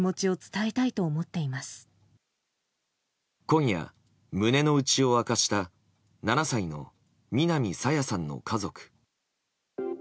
今夜、胸の内を明かした７歳の南朝芽さんの家族。